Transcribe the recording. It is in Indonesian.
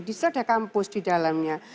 disitu ada kampus di dalamnya